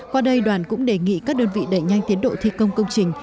qua đây đoàn cũng đề nghị các đơn vị đẩy nhanh tiến độ thi công công trình